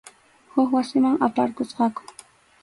Huk wasiman aparqusqaku.